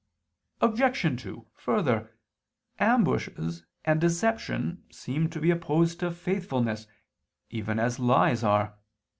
Obj. 2: Further, ambushes and deception seem to be opposed to faithfulness even as lies are.